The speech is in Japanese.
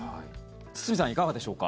堤さんいかがでしょうか？